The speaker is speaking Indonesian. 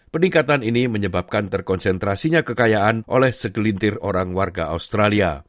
peningkatan ini menyebabkan terkonsentrasinya kekayaan oleh segelintir orang warga australia